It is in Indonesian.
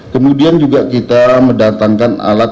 kemudian juga kita mendatangkan alat